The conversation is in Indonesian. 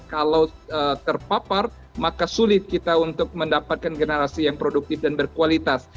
kalau terpapar maka sulit kita untuk mendapatkan generasi yang produktif dan berkualitas